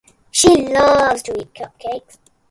She loves to eat cupcakes.